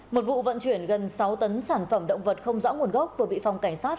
một vụ vận chuyển gần sáu tấn sản phẩm động vật không rõ nguồn gốc vừa bị phòng cảnh sát